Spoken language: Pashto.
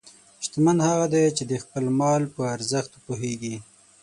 شتمن هغه دی چې د خپل مال په ارزښت پوهېږي.